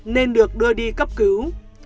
nên được đưa đi cấp cứu